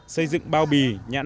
xây dựng bao bì nhạc